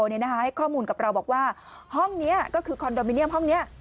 ให้ข้อมูลกับเราบอกว่าห้องนี้ก็คือคอนโดมิเนียมห้องนี้